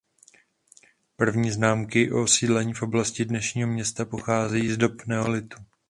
První známky o osídlení v oblasti dnešního města pocházejí z dob neolitu.